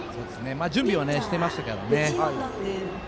準備はしてましたからね。